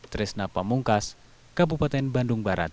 tresna pamungkas kabupaten bandung barat